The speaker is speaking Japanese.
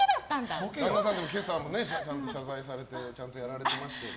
斉藤さんも今朝ちゃんと謝罪されてちゃんとやられてましたよね。